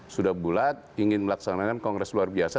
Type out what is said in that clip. sudah bulat ingin melaksanakan kongres luar biasa